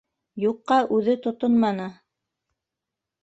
Юҡҡа үҙе тотонманы.